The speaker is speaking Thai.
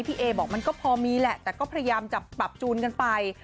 พี่เอบอกมันก็พอมีแหละแต่ก็พยายามจะปรับจูนกันไป